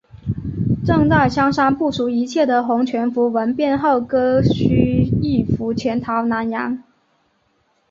正在香山部署一切的洪全福闻变后割须易服潜逃南洋。